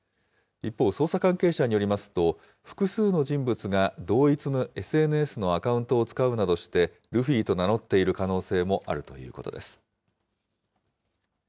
一方、捜査関係者によりますと、複数の人物が同一のＳＮＳのアカウントを使うなどして、ルフィと名乗っている可能性もあるということです。